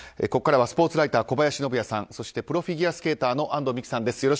ここからはスポーツライター小林信也さんそしてプロフィギュアスケーター安藤美姫さんです。